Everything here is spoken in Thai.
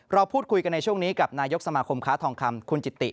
เราพูดคุยกันในช่วงนี้กับนายกสมาคมค้าทองคำคุณจิติ